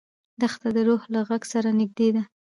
دښته د روح له غږ سره نږدې ده.